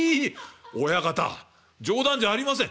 「親方冗談じゃありません。